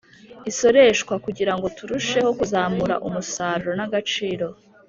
isoreshwa kugirango turusheho kuzamura umusaruro n'agaciro